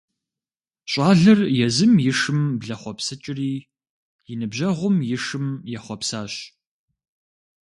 Щӏалэр езым и шым блэхъуэпсыкӏри и ныбжьэгъум и шым ехъуэпсащ.